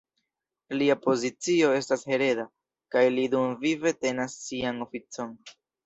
Lia pozicio estas hereda, kaj li dumvive tenas sian oficon.